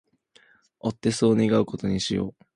追ってそう願う事にしよう